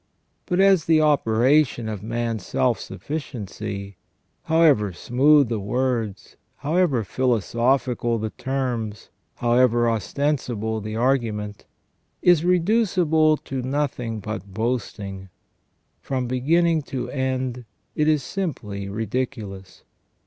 But as the operation of man's self sufficiency — however smooth the words, however philosophical the terms, however ostensible the argument — is reducible to nothing but boasting, from beginning to end it is simply ridiculous.